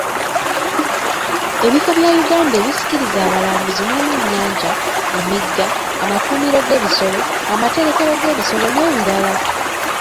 Ebifo bya Uganda ebisikiriza abalambuzi mulimu ennyanja, emigga, amakuumiro g'ebisolo, amaterekero g'ebisolo n'ebirala.